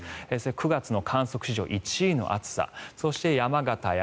９月の観測史上１位の暑さそして、山形や